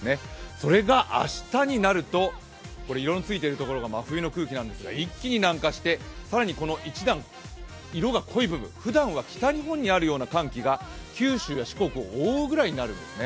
それが明日になると、色のついているところが真冬の空気なんですが一気に南下して、さらに一段、色が濃い部分、ふだんは北日本にあるような寒気が九州や四国を覆うようになるんですね。